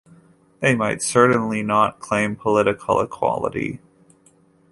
They might certainly not claim political equality.